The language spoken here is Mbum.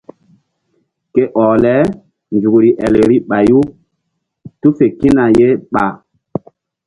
Ke ɔh le nzukri el vbi ɓay tu fe kína ye ɓa.